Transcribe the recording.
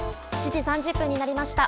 ７時３０分になりました。